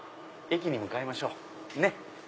駅に向かいましょう。